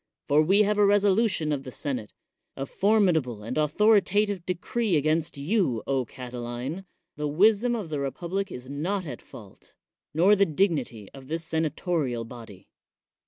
For we have a resolution of th senate, a formidable and authoritative decre against you, Catiline ; the wiwiom of the n public is not at fault, nor the dignity of thi senatorial body.